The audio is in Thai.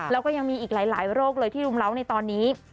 แล้วก็ยังมีอีกหลายโรคเลยที่รุมเล้าในตอนนี้